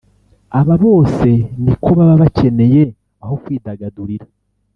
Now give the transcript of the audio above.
Aba bose ni ko baba bakeneye aho kwidagadurira